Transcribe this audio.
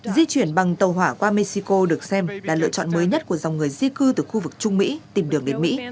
di chuyển bằng tàu hỏa qua mexico được xem là lựa chọn mới nhất của dòng người di cư từ khu vực trung mỹ tìm đường đến mỹ